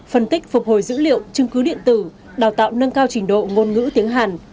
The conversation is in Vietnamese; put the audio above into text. phân tích phục hồi dữ liệu chứng cứ điện tử đào tạo nâng cao trình độ ngôn ngữ tiếng hàn